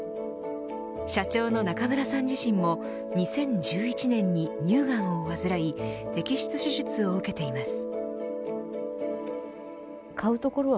社長の中村さん自身も２０１１年に乳がんを患い摘出手術を受けています。